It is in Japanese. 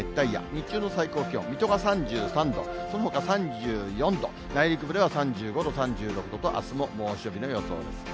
日中の最高気温、水戸が３３度、そのほかは３４度、内陸部では３５度、３６度とあすも猛暑日の予想です。